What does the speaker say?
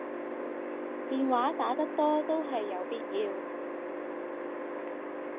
電話打得多都係有必要